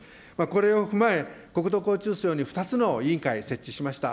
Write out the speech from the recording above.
これを踏まえ、国土交通省に２つの委員会、設置しました。